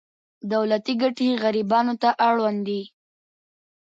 دولتي ګټې غریبانو ته اړوند دي.